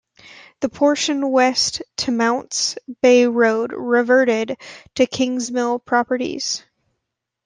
The portion west to Mounts Bay Road reverted to Kingsmill Properties.